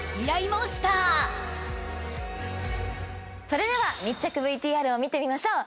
それでは密着ＶＴＲを見てみましょう。